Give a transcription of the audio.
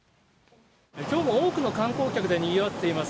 きょうも多くの観光客でにぎわっています